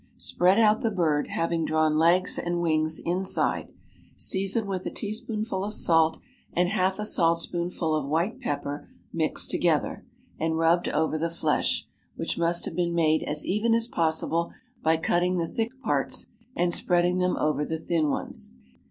Spread out the bird, having drawn legs and wings inside, season with a teaspoonful of salt and half a saltspoonful of white pepper mixed together, and rubbed over the flesh, which must have been made as even as possible by cutting the thick parts and spreading them over the thin ones.